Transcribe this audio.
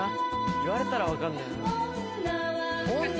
言われたら分かるんだよな。